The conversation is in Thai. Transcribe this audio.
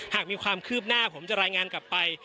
หากมีความคืบหน้าผมจะรายงานกลับไป